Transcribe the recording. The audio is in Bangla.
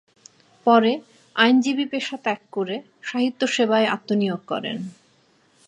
পরে আইনজীবী পেশা ত্যাগ করে সাহিত্যসেবায় আত্মনিয়োগ করেন।